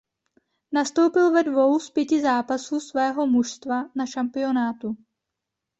Nastoupil ve dvou z pěti zápasů svého mužstva na šampionátu.